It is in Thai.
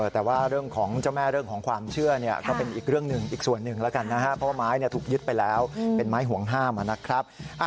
แต่ว่าเรื่องของเจ้าแม่เรื่องของความเชื่อก็เป็นอีกเรื่องหนึ่งอีกส่วนหนึ่งแล้วกันนะครับเพราะว่าไม้ถูกยึดไปแล้วเป็นไม้ห่วงห้ามนะครับ